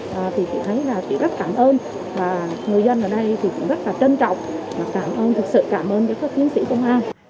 và chị thấy là chị rất cảm ơn và người dân ở đây thì cũng rất là trân trọng và cảm ơn thực sự cảm ơn cho các chiến sĩ công an